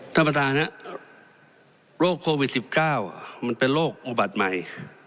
ธรรมดานะโรคโควิดสิบเก้ามันเป็นโรคมุบัติใหม่